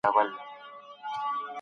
د زده کړي لارې څه دي؟